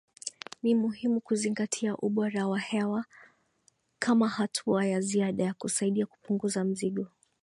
Ni muhimu kuzingatia ubora wa hewa kama hatua ya ziada ya kusaidia kupunguza mzigo